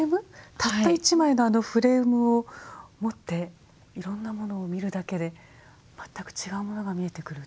たった一枚のあのフレームを持っていろんなものを見るだけで全く違うものが見えてくるっていう。